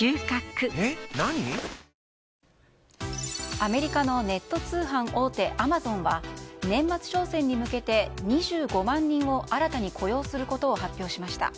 アメリカのネット通販大手アマゾンは年末商戦に向けて２５万人を新たに雇用することを発表しました。